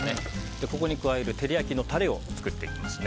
ここに加える照り焼きのタレを作っていきます。